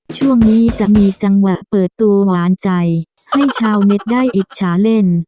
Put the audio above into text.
ช่วงนี้จะมีจังหวะเปิดตัวหวานใจให้ชาวเน็ตได้อิจฉาเล่น